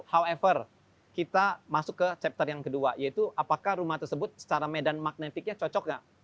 how ever kita masuk ke chapter yang kedua yaitu apakah rumah tersebut secara medan magnetiknya cocok nggak